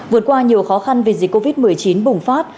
vượt qua nhiều khó khăn vì dịch covid một mươi chín bùng phát